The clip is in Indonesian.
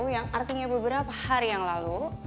yang artinya beberapa hari yang lalu